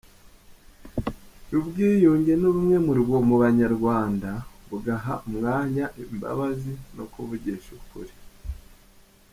yubwiyunge nubumwe mu banyarwanda, bugaha umwanya imbabazi no kuvugisha ukuri.